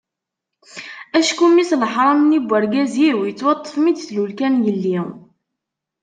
Acku mmi-s n leḥram-nni n urgaz-iw yettwaṭṭef mi d-tlul kan yelli.